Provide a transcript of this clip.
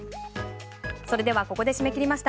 それではここで締め切りました。